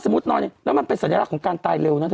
สมมุตินอนแล้วเนี่ยแล้วมันเป็นสัญลักษณ์ของการตายเร็วนะเธอ